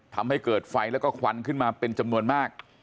ทำให้เกิดไฟแล้วก็ควันขึ้นมาเป็นจำนวนมาก